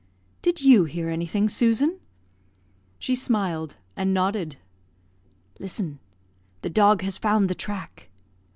"Did you hear anything, Susan?" She smiled, and nodded. "Listen; the dog has found the track."